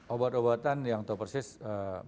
obat obatan yang tuh persis apa